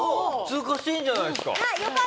通過してるじゃないですか。